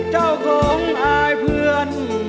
เจ้าของอายเพื่อน